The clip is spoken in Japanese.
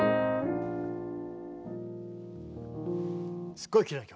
すっごいきれいな曲。